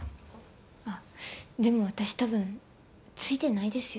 あでも私多分ついてないですよ。